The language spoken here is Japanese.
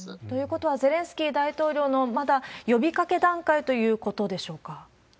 ということは、ゼレンスキー大統領の、まだ呼びかけ段階ということでしょうか？